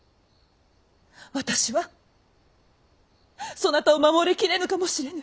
私はそなたを守りきれぬかもしれぬ！